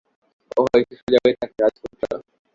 ওহো, একটু সোজা হয়ে থাকুন, রাজপুত্র।